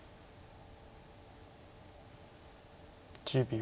１０秒。